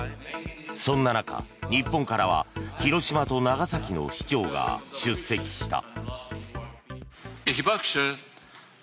そんな中、日本からは広島と長崎の市長が出席した。